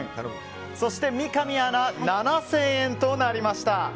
そして三上アナが７０００円となりました。